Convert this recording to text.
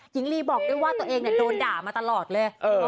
หญิงลีบอกได้ว่าตัวเองเนี่ยโดนด่ามาตลอดเลยเออ